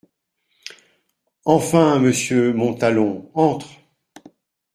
Enfin monsieur Montalon entre…